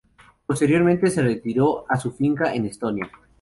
Posteriormente, se retiró a su finca en Estonia.